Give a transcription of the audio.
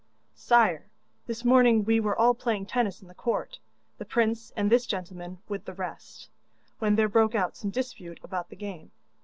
'Sire, this morning we were all playing tennis in the court, the prince and this gentleman with the rest, when there broke out some dispute about the game.